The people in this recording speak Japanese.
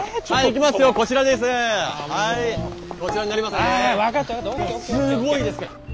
すごいですから。